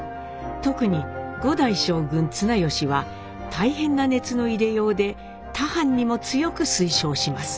特に５代将軍綱吉は大変な熱の入れようで他藩にも強く推奨します。